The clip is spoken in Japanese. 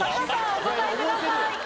お答えください。